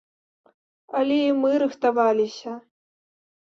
Але і мы рыхтаваліся.